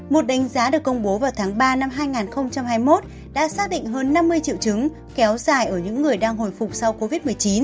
một đánh giá được công bố vào tháng ba năm hai nghìn hai mươi một đã xác định hơn năm mươi triệu chứng kéo dài ở những người đang hồi phục sau covid một mươi chín